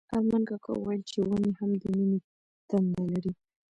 ارمان کاکا وویل چې ونې هم د مینې تنده لري.